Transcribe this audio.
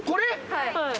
はい。